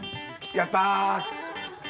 やった！